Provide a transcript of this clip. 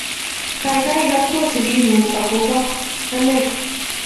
kaikai ikotwo sikikuk akobo anee